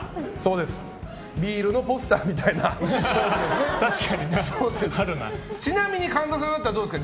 ビールのポスターみたいなポーズですね。